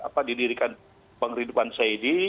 apa didirikan penghidupan syedi